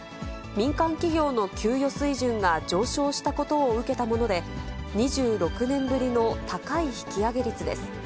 民間企業の給与水準が上昇したことを受けたもので、２６年ぶりの高い引き上げ率です。